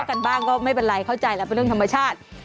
กันบ้างก็ไม่เป็นไรเข้าใจแล้วเป็นเรื่องธรรมชาติ